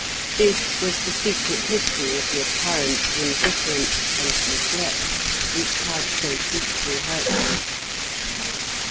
This was the secret history of the apparent indifference and neglect which had so deeply hurt him.